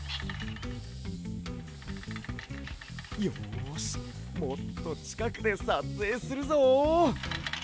よしもっとちかくでさつえいするぞ！